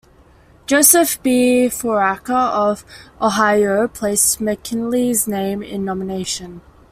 Joseph B. Foraker of Ohio placed McKinley's name in nomination.